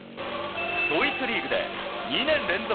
ドイツリーグで２年連続